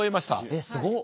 えっすごっ。